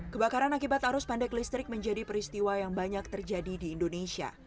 kebakaran akibat arus pendek listrik menjadi peristiwa yang banyak terjadi di indonesia